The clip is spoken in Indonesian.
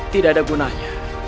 tidak ada gunanya